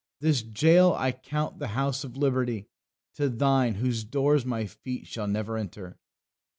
This jail I count the house of liberty To thine, whose doors my feet shall never enter."